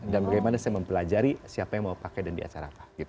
dan bagaimana saya mempelajari siapa yang mau pakai dan di acara apa gitu